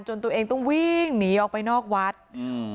ตัวเองต้องวิ่งหนีออกไปนอกวัดอืม